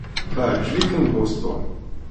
Teɛjeb-iten Boston.